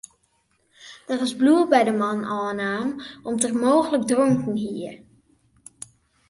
Der is bloed by de man ôfnaam om't er mooglik dronken hie.